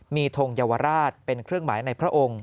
มีทงเยาวราชเป็นเครื่องหมายในพระองค์